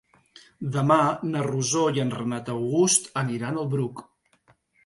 Demà na Rosó i en Renat August aniran al Bruc.